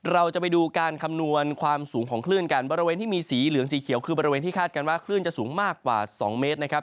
เราจะไปดูการคำนวณความสูงของคลื่นกันบริเวณที่มีสีเหลืองสีเขียวคือบริเวณที่คาดการณ์ว่าคลื่นจะสูงมากกว่า๒เมตรนะครับ